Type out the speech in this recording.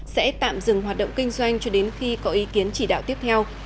sẽ tạm dừng hoạt động kinh doanh cho đến khi có ý kiến chỉ đạo tiếp theo